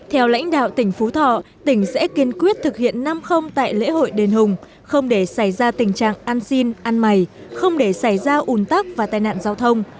theo lãnh đạo tỉnh phú thọ tỉnh sẽ kiên quyết thực hiện năm tại lễ hội đền hùng không để xảy ra tình trạng ăn xin ăn mày không để xảy ra ủn tắc và tai nạn giao thông